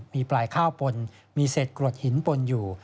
มีปลายข้าวปนมีเศษกรวดหินปนอยู่